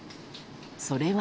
それは。